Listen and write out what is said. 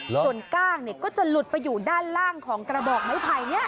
ส่วนก้างเนี่ยก็จะหลุดไปอยู่ด้านล่างของกระบอกไม้ไผ่เนี่ย